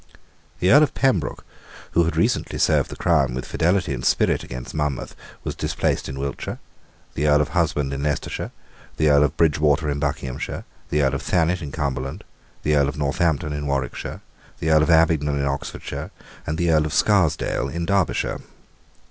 The Earl of Pembroke, who had recently served the crown with fidelity and spirit against Monmouth, was displaced in Wiltshire, the Earl of Husband in Leicestershire, the Earl of Bridgewater in Buckinghamshire, the Earl of Thanet in Cumberland, the Earl of Northampton in Warwickshire, the Earl of Abingdon in Oxfordshire, and the Earl of Scarsdale in Derbyshire.